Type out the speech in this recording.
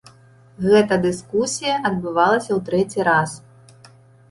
Гэта дыскусія адбывалася ў трэці раз.